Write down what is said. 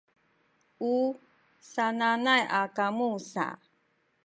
u sananay a kamu sa